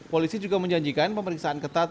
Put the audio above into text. polisi juga menjanjikan pemeriksaan ketat